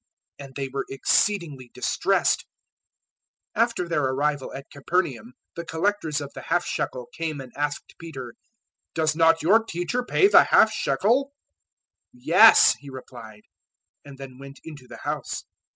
And they were exceedingly distressed. 017:024 After their arrival at Capernaum the collectors of the half shekel came and asked Peter, "Does not your Teacher pay the half shekel?" 017:025 "Yes," he replied, and then went into the house.